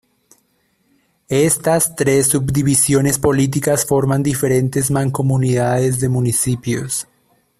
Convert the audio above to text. Estas tres subdivisiones políticas forman diferentes mancomunidades de municipios.